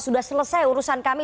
sudah selesai urusan kami